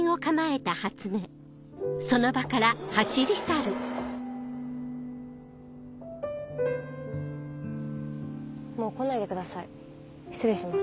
ざわめきもう来ないでください失礼します。